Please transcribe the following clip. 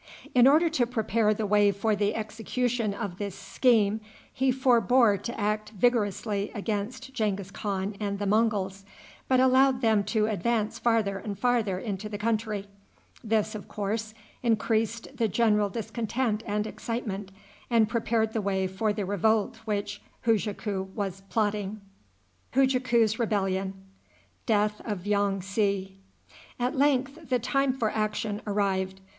In order to prepare the way for the execution of this scheme, he forbore to act vigorously against Genghis Khan and the Monguls, but allowed them to advance farther and farther into the country. This, of course, increased the general discontent and excitement, and prepared the way for the revolt which Hujaku was plotting. At length the time for action arrived.